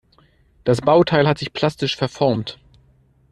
Das Bauteil hat sich plastisch verformt.